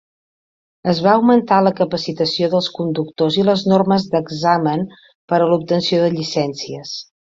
Es va augmentar la capacitació dels conductors i les normes d'examen per a l'obtenció de llicències.